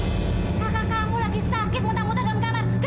kakak kamu lagi sakit muta muta dalam kamar